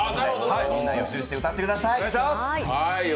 みんな予習して歌ってください。